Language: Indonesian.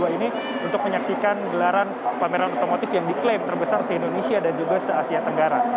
ini untuk menyaksikan gelaran pameran otomotif yang diklaim terbesar se indonesia dan juga se asia tenggara